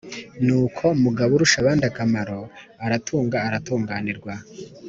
nuko mugaburushabandakamaro aratunga aratunganirwa.